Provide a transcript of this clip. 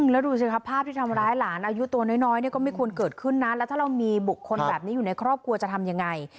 แล้วดูสิครับภาพที่ทำร้ายหลานอายุตัวน้อยก็ไม่ควรเกิดขึ้นนะแล้วถ้าเรามีบุคคลแบบนี้อยู่ในครอบครัวจะทำยังไง